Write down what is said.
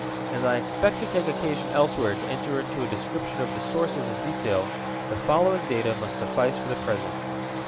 As I expect to take occasion elsewhere to enter into a description of the sources in detail, the following data must suffice for the present.